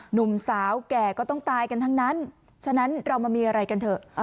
หนุ่มสาวแก่ก็ต้องตายกันทั้งนั้นฉะนั้นเรามามีอะไรกันเถอะ